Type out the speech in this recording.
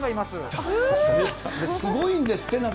すごいんですって？